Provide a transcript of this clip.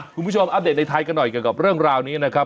คุณผู้ชมอัปเดตในไทยในกับเรื่องราวนี้นะครับ